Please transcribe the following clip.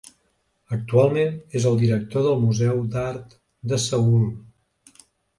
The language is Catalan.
Actualment és el director del Museu d'Art de Seül.